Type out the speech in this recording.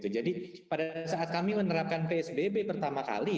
jadi pada saat kami menerapkan psbb pertama kali